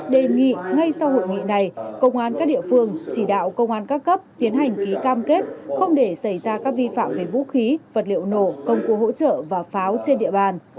đề nghị ngay sau hội nghị này công an các địa phương chỉ đạo công an các cấp tiến hành ký cam kết không để xảy ra các vi phạm về vũ khí vật liệu nổ công cụ hỗ trợ và pháo trên địa bàn